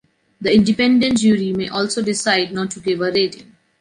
The independent jury may also decide not to give a rating.